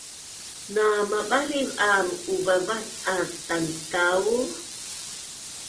Namabaliv aam uvavaz’az tankau